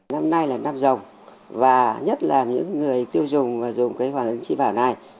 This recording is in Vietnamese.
năm nay là năm dòng và nhất là những người tiêu dùng và dùng cái hoàng ứng tri bảo này